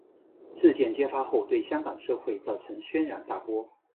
事件揭发后对香港社会造成轩然大波。